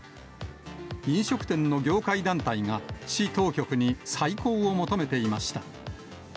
飲食店の業界団体が、市当局に再考を求めていました。